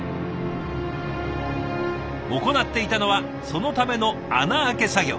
行っていたのはそのための穴開け作業。